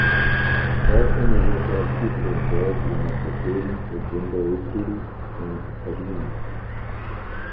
Barson is also actively involved in advocating for gender equity in academia.